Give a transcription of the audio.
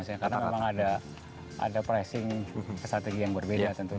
diambil rata rata ya mas karena memang ada pricing strategi yang berbeda tentunya